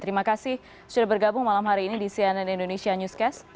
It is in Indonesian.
terima kasih sudah bergabung malam hari ini di cnn indonesia newscast